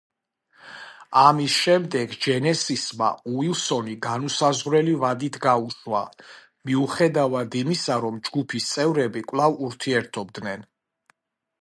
ამის შემდეგ ჯენესისმა უილსონი განუსაზღვრელი ვადით გაუშვა, მიუხედავად იმისა, რომ ჯგუფის წევრები კვლავ ურთიერთობდნენ.